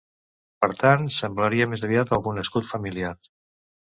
Per tant, semblaria més aviat algun escut familiar.